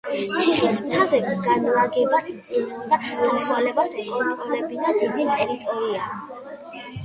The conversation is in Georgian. ციხის მთაზე განლაგება იძლეოდა საშუალებას ეკონტროლებინა დიდი ტერიტორია.